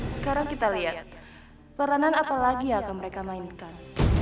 sekarang kita lihat peranan apa lagi yang akan mereka mainkan